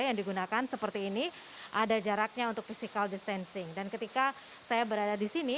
yang digunakan seperti ini ada jaraknya untuk physical distancing dan ketika saya berada di sini